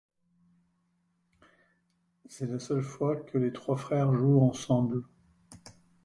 C'est la seule fois que les trois frères jouent ensemble.